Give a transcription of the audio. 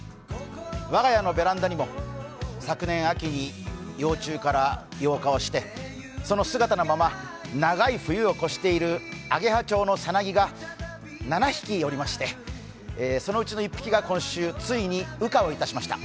我が家のベランダにも昨年秋に幼虫からその姿のまま長い冬を越しているあげはちょうのさなぎが７匹おりまして、そのうちの１匹が今週、ついに羽化をいたしました。